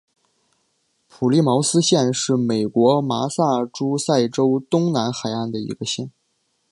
普利茅斯县是美国麻萨诸塞州东南海岸的一个县。